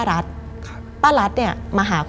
มันกลายเป็นรูปของคนที่กำลังขโมยคิ้วแล้วก็ร้องไห้อยู่